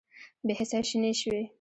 بې حسۍ شنې شوې